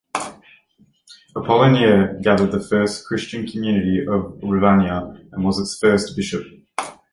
Apollinaire gathered the first Christian community of Ravenna and was its first bishop.